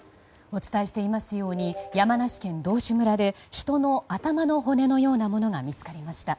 お伝えしていますように山梨県道志村で人の頭の骨のようなものが見つかりました。